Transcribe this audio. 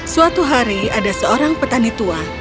suatu hari ada seorang petani tua